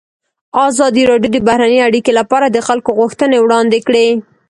ازادي راډیو د بهرنۍ اړیکې لپاره د خلکو غوښتنې وړاندې کړي.